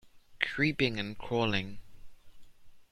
Creeping and crawling.